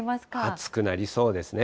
暑くなりそうですね。